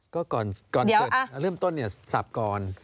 ก็ก่อนเกิดเริ่มต้นเนี่ยสับก่อน